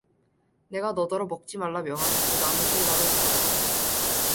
내가 너더러 먹지 말라 명한 그 나무 실과를 네가 먹었느냐